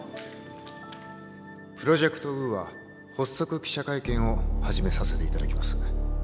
プロジェクト・ウーア発足記者会見を始めさせていただきます。